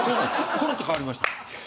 ころっと変わりました。